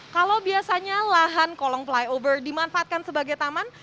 kalau biasanya lahan kolong flyover dimanfaatkan sebagai taman